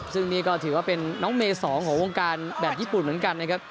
ซึ่งนี่ก็ถือว่าเป็นน้องเมย์๒ของวงการแบบญี่ปุ่นเหมือนกันนะครับ